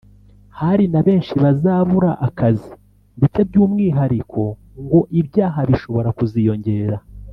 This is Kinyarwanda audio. hari na benshi bazabura akazi ndetse by’umwihariko ngo ibyaha bishobora kuziyongera